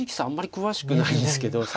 あんまり詳しくないんですけど。